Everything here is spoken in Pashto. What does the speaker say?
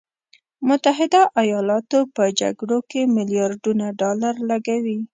متحده ایالاتو په جګړو کې میلیارډونه ډالر لګولي.